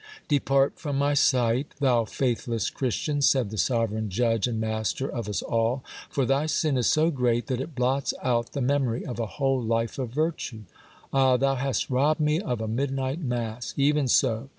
" Depart from my sight, thou faithless Christian," said the sovereign Judge and Master of us all, " for thy sin is so great that it blots out the memory of a whole life of virtue. Ah ! thou hast robbed me of a midnight mass. Even so